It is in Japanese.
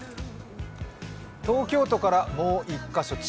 東京都からもう１カ所